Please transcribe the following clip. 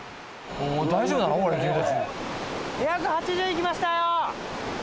２８０いきましたよ。